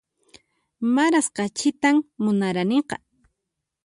Maras kachitan munaraniqa